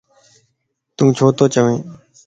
تون ڇو تي چوين؟